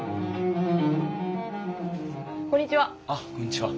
こんにちは。